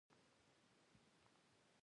عيني ځواب شتون نه لري.